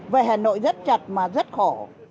về hà nội rất chật mà rất khổ